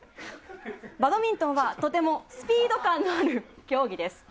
バドミントンはとてもスピード感のある競技です。